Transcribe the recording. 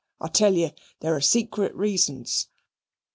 Pooh! I tell you there are secret reasons.